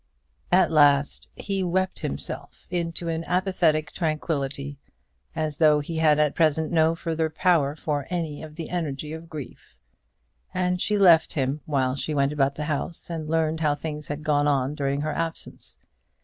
At last he wept himself into an apathetic tranquillity, as though he had at present no further power for any of the energy of grief; and she left him while she went about the house and learned how things had gone on during her absence.